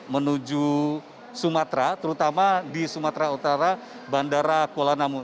menuju sumatera terutama di sumatera utara bandara kuala namu